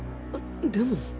でも